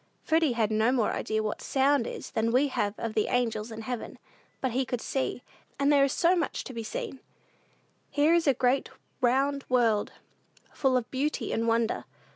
Freddy had no more idea what sound is than we have of the angels in heaven; but he could see, and there is so much to be seen! Here is a great, round world, full of beauty and wonder.